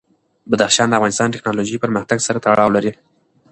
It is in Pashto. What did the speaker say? بدخشان د افغانستان د تکنالوژۍ پرمختګ سره تړاو لري.